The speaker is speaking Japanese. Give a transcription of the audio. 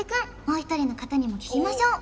もう一人の方にも聞きましょう